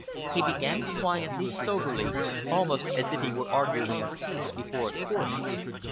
He began quietly, soberly, almost as if he were arguing a case before a court.